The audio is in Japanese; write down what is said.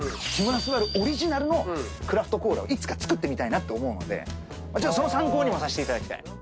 木村昴オリジナルのクラフトコーラをいつか作ってみたいと思うのでその参考にもさせていただきたい。